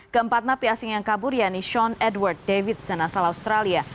keempat napi asing yang kabur ya ini sean edward davidson asal australia